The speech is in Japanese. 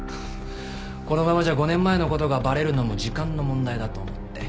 このままじゃ５年前の事がバレるのも時間の問題だと思って。